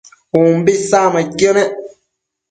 umbi isacmaiduidquio nec